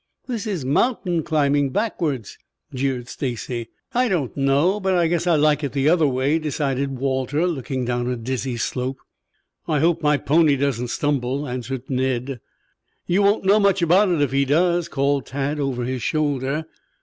"This is mountain climbing backwards," jeered Stacy. "I don't know, but I guess I like it the other way," decided Walter, looking down a dizzy slope. "I hope my pony doesn't stumble," answered Ned. "You won't know much about it if he does," called Tad over his shoulder.